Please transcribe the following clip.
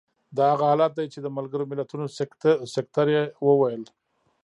دا هغه حالت دی چې د ملګرو ملتونو سکتر یې وویل.